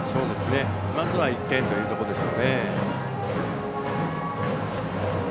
まずは１点というところでしょう。